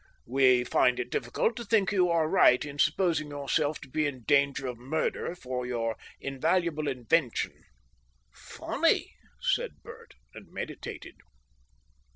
We find it difficult to think you are right in supposing yourself to be in danger of murder for your invaluable invention." "Funny!" said Bert, and meditated.